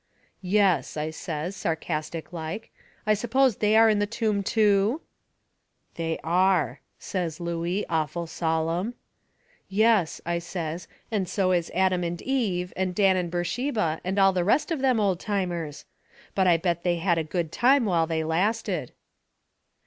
"Yes," I says, sarcastic like, "I suppose they are in the tomb, too?" "They are," says Looey, awful solemn. "Yes," I says, "and so is Adam and Eve and Dan and Burrsheba and all the rest of them old timers. But I bet they had a good time while they lasted."